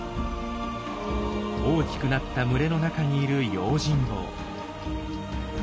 大きくなった群れの中にいる用心棒。